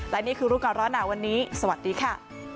และนี่คือรู้ก่อนร้อนหนาวันนี้สวัสดีค่ะ